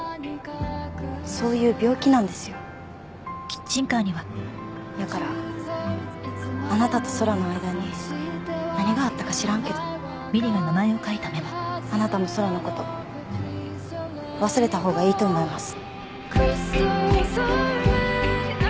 そういう病気なんですよやからあなたと空の間に何があったか知らんけどあなたも空のこと忘れたほうがいいと思います